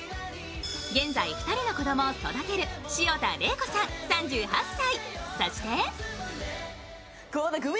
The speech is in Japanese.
現在、２人の子供を育てる潮田玲子さん３８歳。